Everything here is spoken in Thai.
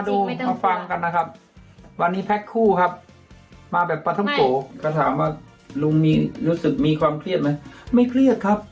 ลุงรู้สึกมีความเครียดไหมไม่เครียดครับ